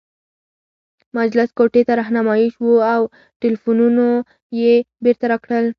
مجلس کوټې ته رهنمايي شوو او ټلفونونه یې بیرته راکړل.